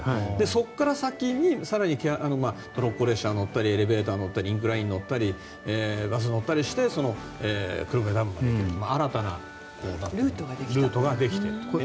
そこから先に更にトロッコ列車に乗ったりエレベーターに乗ったりインクラインに乗ったりバスに乗ったりして黒部ダムまで行くという新たなルートができたと。